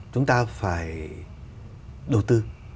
chúng ta phải đầu tư